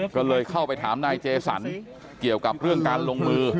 ก็เลยเข้าไปถามนายเจสันเกี่ยวกับเรื่องการลงมือ